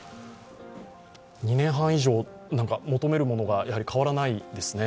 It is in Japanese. ２年半以上、求めるものが変わらないですね。